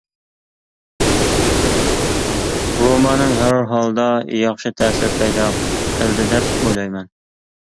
رومانىم ھەر ھالدا ياخشى تەسىر پەيدا قىلدى دەپ ئويلايمەن.